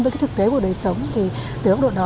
với cái thực tế của đời sống thì từ góc độ đó